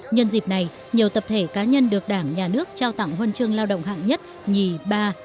nhân dịp này nhiều tập thể cá nhân được đảng nhà nước trao tặng huân chương lao động hạng nhất nhì ba